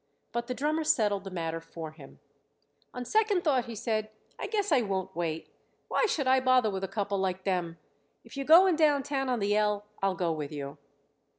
But the drummer settled the matter for him. "On second thought," he said, "I guess I won't wait. Why should I bother with a couple like them? If you're going downtown on the L I'll go with you."